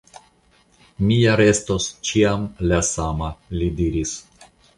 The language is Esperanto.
Mi ja restos ĉiam la sama, li diris.